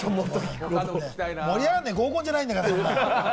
盛り上がらない合コンじゃないんだから！